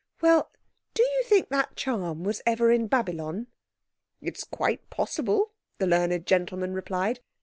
"Well, do you think that charm was ever in Babylon?" "It's quite possible," the learned gentleman replied.